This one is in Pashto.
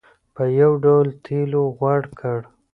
په یو ډول تېلو غوړ کړ.